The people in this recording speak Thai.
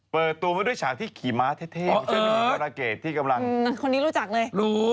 เปิดตัวมาด้วยฉากที่ขี่ม้าเท่ไม่ใช่หนุ่มกรเกตที่กำลังคนนี้รู้จักเลยรู้